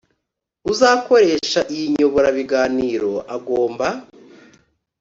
uzakoresha iyi nyoborabiganiro agomba